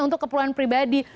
untuk keperluan pribadi